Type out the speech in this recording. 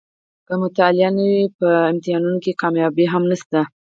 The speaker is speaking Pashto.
که مطالعه نه وي په ازموینو کې کامیابي هم نشته.